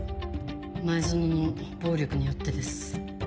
前薗の暴力によってです。